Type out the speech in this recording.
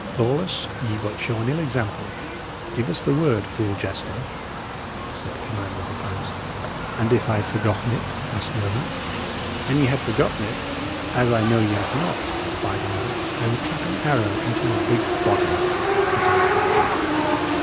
'" "Lawless, ye but show an ill example; give us the word, fool jester," said the commander of the post. "And if I had forgotten it?" asked the other. "An ye had forgotten it as I know y' 'ave not by the mass, I would clap an arrow into your big body," returned the first.